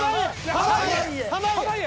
濱家！